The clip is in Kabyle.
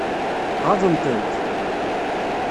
Ɣaḍen-tent?